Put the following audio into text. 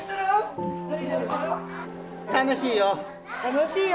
楽しいよ！